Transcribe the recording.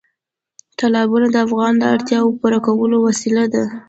تالابونه د افغانانو د اړتیاوو پوره کولو وسیله ده.